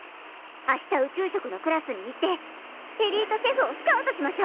明日宇宙食のクラスに行ってエリートシェフをスカウトしましょう！